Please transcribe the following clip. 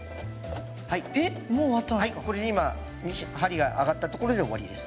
はいこれで今針が上がったところで終わりです。